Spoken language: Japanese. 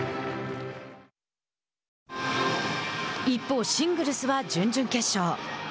一方、シングルスは準々決勝。